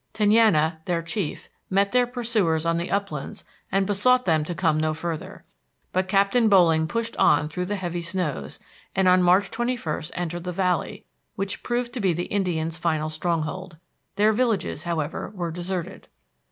Tenaya, their chief, met their pursuers on the uplands and besought them to come no further. But Captain Boling pushed on through the heavy snows, and on March 21, entered the valley, which proved to be the Indians' final stronghold. Their villages, however, were deserted.